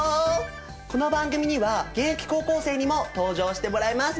この番組には現役高校生にも登場してもらいます！